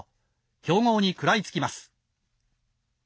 強豪にくらいつきます。